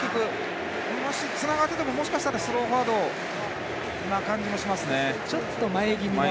つながってても、もしかしたらスローフォワードの感じがします。